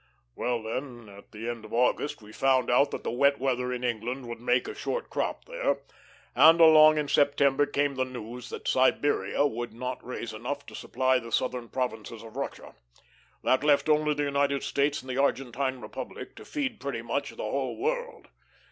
"Well, then, at the end of August we found out that the wet weather in England would make a short crop there, and along in September came the news that Siberia would not raise enough to supply the southern provinces of Russia. That left only the United States and the Argentine Republic to feed pretty much the whole world.